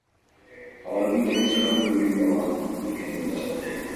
Алардын денеси катуу күйүп калган экен, — деди ал.